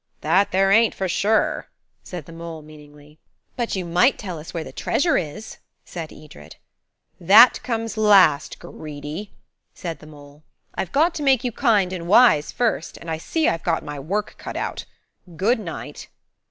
"That there ain't, for sure," said the mole meaningly. "But you might tell us where the treasure is," said Edred. "That comes last, greedy," said the mole. "I've got to make you kind and wise first, and I see I've got my work cut out. Good night."